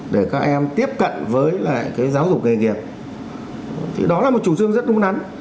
để các em tiếp cận với lại cái giáo dục nghề nghiệp thì đó là một chủ trương rất đúng đắn